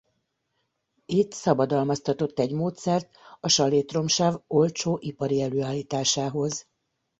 Itt szabadalmaztatott egy módszert a salétromsav olcsó ipari előállításához.